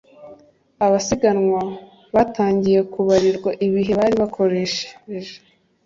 Abasiganwa batangiye kubarirwa ibihe bari bukoreshe